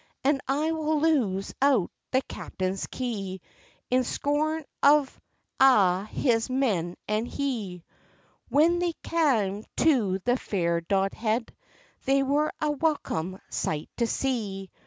And I will loose out the captain's kye, In scorn of a' his men and he." When they cam to the fair Dodhead, They were a wellcum sight to see!